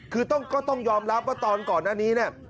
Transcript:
คือต้องยอมรับว่าตอนก่อนหน้านี้เนี่ย